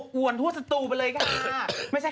คุณแม่เดี๋ยว